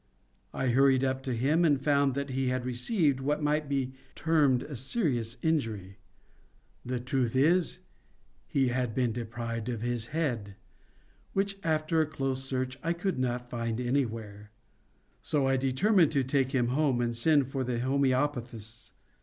I hurried up to him and found that he had received what might be termed a serious injury. The truth is, he had been deprived of his head, which after a close search I could not find anywhere; so I determined to take him home and send for the homœopathists.